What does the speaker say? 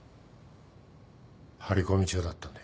張り込み中だったんだ。